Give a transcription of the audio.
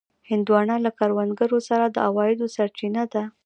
هندوانه له کروندګرو سره د عوایدو سرچینه ده.